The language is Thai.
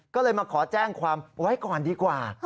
ก็เลยมาขอแจ้งความไว้ก่อนดีกว่า